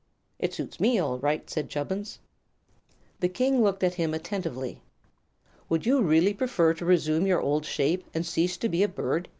"It suits me, all right," said Chubbins. The King looked at him attentively. "Would you really prefer to resume your old shape, and cease to be a bird?"